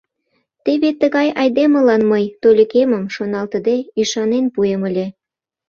Теве тыгай айдемылан мый Толикемым шоналтыде ӱшанен пуэм ыле.